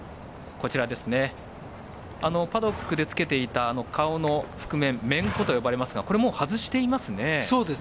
パドックでつけていた顔の覆面メンコと呼ばれますがこれも外していますね。